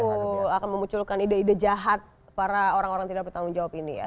itu akan memunculkan ide ide jahat para orang orang tidak bertanggung jawab ini ya